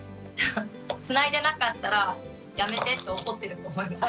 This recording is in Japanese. つないでなかったら「やめて」って怒ってると思います。